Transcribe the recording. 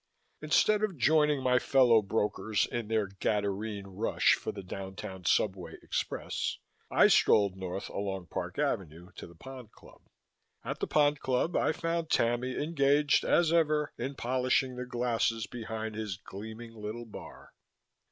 Instead of joining my fellow brokers in their Gadarene rush for the downtown subway express, I strolled north along Park Avenue to the Pond Club. At the Pond Club I found Tammy engaged, as ever, in polishing the glasses behind his gleaming little bar.